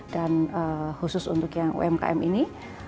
dan khusus untuk yang umkm ini